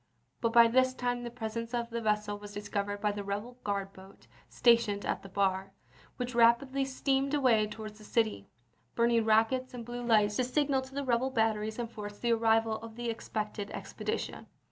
But by this time the presence of the vessel was discovered by the rebel guard boat stationed at the bar, which rapidly steamed away towards the city, burning rockets and blue lights to signal to the rebel bat teries and forts the arrival of the expected expedi tion.